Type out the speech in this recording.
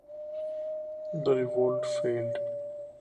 The revolt failed.